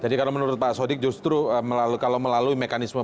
jadi kalau menurut pak sodyg justru melalui mekanisme pansus